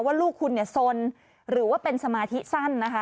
ว่าลูกคุณเนี่ยสนหรือว่าเป็นสมาธิสั้นนะคะ